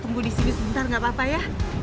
tunggu disini sebentar gak apa apa ya